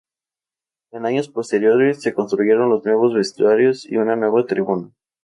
En años posteriores se construyeron los nuevos vestuarios y una nueva tribuna.